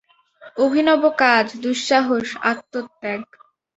অভিনব কাজ, দুঃসাহস, আত্মত্যাগ।